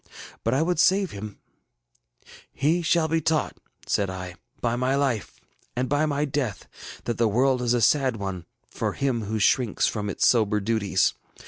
But I would save him. ŌĆ£ŌĆśHe shall be taught, ŌĆÖ said I, ŌĆśby my life, and by my death, that the world is a sad one for him who shrinks from its sober duties.